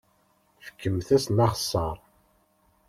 Fkemt-asen axeṣṣar.